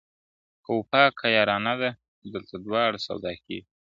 که وفا که یارانه ده دلته دواړه سودا کیږي ,